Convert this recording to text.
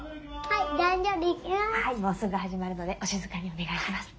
はいもうすぐ始まるのでお静かにお願いします。